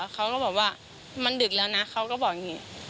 เขาก็บอกว่ามันดึกแล้วนะเขาก็บอกอย่างนี้